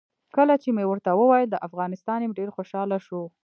کله چې مې ورته وویل د افغانستان یم ډېر خوشاله شو.